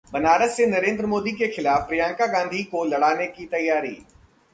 बनारस से नरेंद्र मोदी के खिलाफ प्रियंका गांधी को लड़ाने की तैयारी!